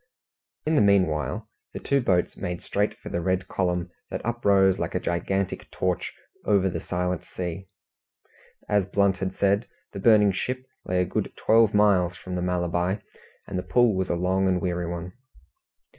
In the meanwhile the two boats made straight for the red column that uprose like a gigantic torch over the silent sea. As Blunt had said, the burning ship lay a good twelve miles from the Malabar, and the pull was a long and a weary one.